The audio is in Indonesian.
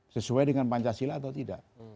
sesuai dengan pancasila atau tidak